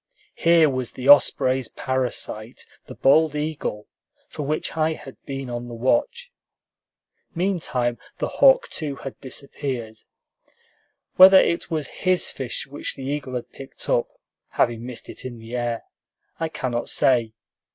Here was the osprey's parasite, the bald eagle, for which I had been on the watch. Meantime, the hawk too had disappeared. Whether it was his fish which the eagle had picked up (having missed it in the air) I cannot say.